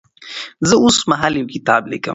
زه اوس مهال یو کتاب لیکم.